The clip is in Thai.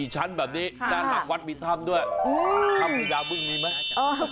๔ชั้นแบบนี้ด้านหลังวัดมีถ้ำด้วยถ้ำพุทธศาสตร์บึงดีไหม